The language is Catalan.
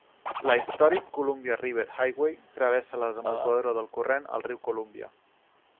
La Historic Columbia River Highway travessa la desembocadura del corrent al riu Columbia.